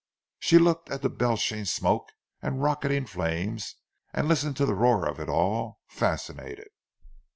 She looked at the belching smoke and the rocketing flames and listened to the roar of it all, fascinated.